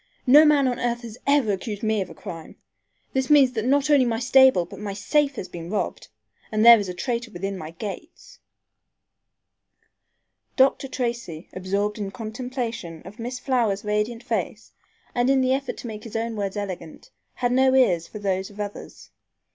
No man on earth has ever accused me of a crime. This means that not only my stable but my safe has been robbed, and there is a traitor within my gates." Dr. Tracy, absorbed in contemplation of Miss Flower's radiant face, and in the effort to make his own words eloquent, had no ears for those of others.